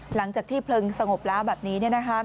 หลังจากที่เพลิงสงบแล้วแบบนี้